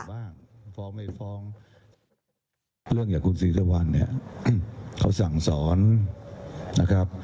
ฟ้องไม่ฟ้องเรื่องอย่างคุณศรีสุวรรณเนี่ยเขาสั่งสอนนะครับ